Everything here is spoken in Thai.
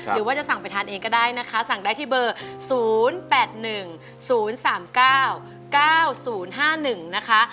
หรือว่าจะสั่งไปทานเองก็ได้นะคะสั่งได้ที่เบอร์๐๘๑๐๓๙๙๐๕๑นะคะ